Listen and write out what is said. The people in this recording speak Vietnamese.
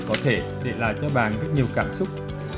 có thể để lại cho bà rất nhiều cảm xúc